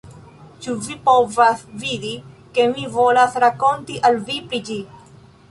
Ĉu vi povas vidi, ke mi volas rakonti al vi pri ĝi